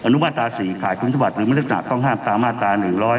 อนุมัตราสี่ขายคุณสบัติหรือมนุษยศนาตร์ต้องห้ามตามมาตรา๑๖๐